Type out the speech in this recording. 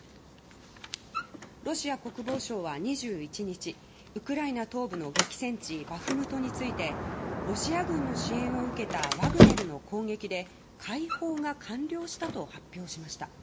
ロシア国防相は２１日ウクライナ東部の激戦地バフムトについてロシア軍の支援を受けたワグネルの攻撃で解放が完了したと発表しました。